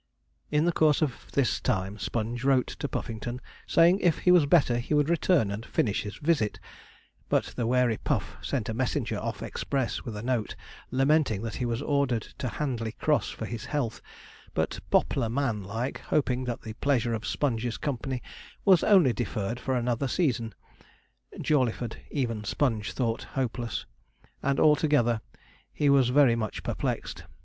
In the course of this time Sponge wrote to Puffington, saying if he was better he would return and finish his visit; but the wary Puff sent a messenger off express with a note, lamenting that he was ordered to Handley Cross for his health, but 'pop'lar man' like, hoping that the pleasure of Sponge's company was only deferred for another season. Jawleyford, even Sponge thought hopeless; and, altogether, he was very much perplexed.